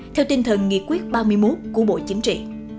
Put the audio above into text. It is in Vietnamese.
theo tinh thần nghị quyết ba mươi một của bộ chính trị